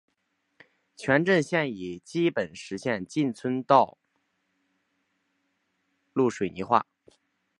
全镇现已基本实现进村道路水泥化。